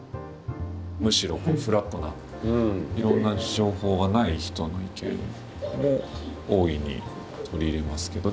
むしろフラットないろんな情報がない人の意見も大いに取り入れますけど。